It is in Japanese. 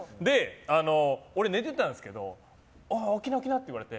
俺、寝てたんですけど起きな、起きなって言われて。